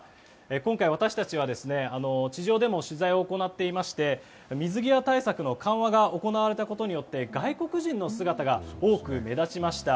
今回、私たちは地上でも取材を行っていまして水際対策の緩和が行われたことによって外国人の姿が多く目立ちました。